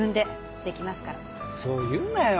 そう言うなよ。